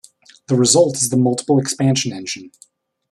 The result is the multiple-expansion engine.